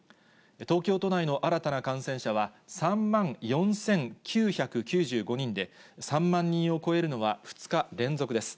東京都内の新たな感染者は、３万４９９５人で、３万人を超えるのは２日連続です。